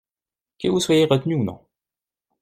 Que vous soyez retenue ou non.